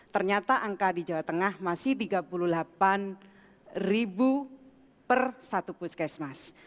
ternyata angka di jawa tengah masih tiga puluh delapan per satu puskesmas